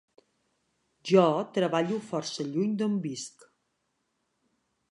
Jo treballo força lluny d'on visc.